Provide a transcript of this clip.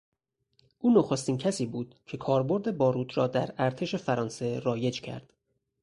او نخستین کسی بود که کاربرد باروت را در ارتش فرانسه رایج کرد.